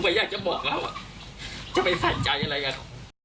ผมก็อยากจะบอกแล้วจะไปใส่ใจอะไรกับคนทุกอย่าง